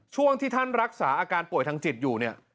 ช่วงที่ท่านรักษาอาการป่วยทางจิตอยู่เนี่ย